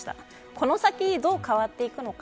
この先、どう変わっていくのか